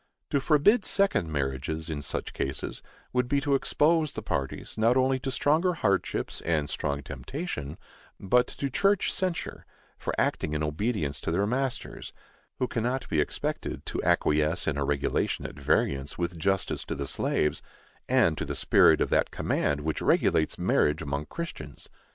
To forbid second marriages, in such cases, would be to expose the parties, not only to stronger hardships and strong temptation, but to church censure, for acting in obedience to their masters, who cannot be expected to acquiesce in a regulation at variance with justice to the slaves, and to the spirit of that command which regulates marriage among Christians.